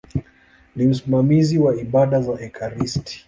Ni msimamizi wa ibada za ekaristi.